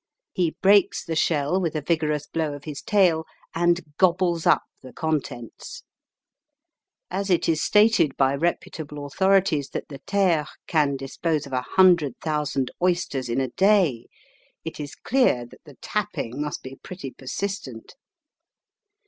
He breaks the shell with a vigorous blow of his tail, and gobbles up the contents. As it is stated by reputable authorities that the there can dispose of 100,000 oysters in a day, it is clear that the tapping must be pretty persistent.